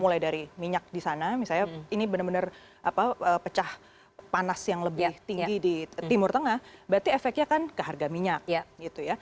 mulai dari minyak di sana misalnya ini benar benar pecah panas yang lebih tinggi di timur tengah berarti efeknya kan ke harga minyak gitu ya